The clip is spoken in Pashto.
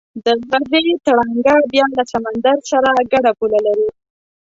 د غزې تړانګه بیا له سمندر سره ګډه پوله لري.